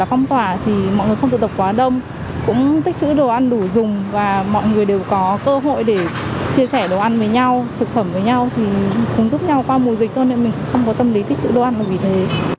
mình không có tâm lý tích chữ đồ ăn là vì thế